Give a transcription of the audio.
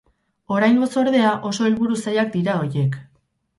Oraingoz, ordea, oso helburu zailak dira horiek.